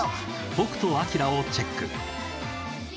北斗晶をチェック